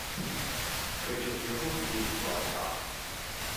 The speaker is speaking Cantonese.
佢仲要開始唔耐煩